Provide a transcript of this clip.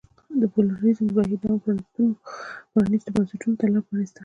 د پلورالېزم د بهیر دوام پرانیستو بنسټونو ته لار پرانېسته.